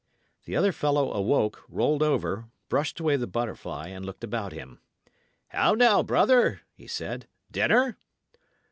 The other fellow awoke, rolled over, brushed away the butterfly, and looked about him. "How now, brother?" he said. "Dinner?"